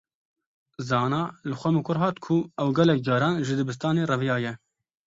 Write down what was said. Zana li xwe mikur hat ku ew gelek caran ji dibistanê reviyaye.